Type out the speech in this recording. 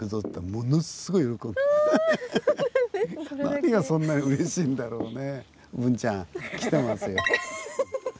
何がそんなにうれしいんだろうね。